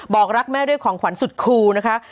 บอกรักแม่ด้วยของขวัญสุดครูนะคะ